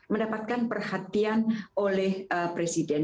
mendapatkan perhatian oleh presiden